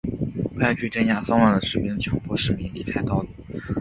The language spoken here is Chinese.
派去镇压骚乱的士兵强迫市民离开道路。